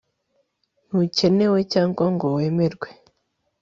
ntukenewe cyangwa ngo wemerwe